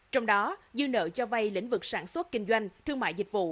trong đó dư nợ cho vay lĩnh vực sản xuất kinh doanh thương mại dịch vụ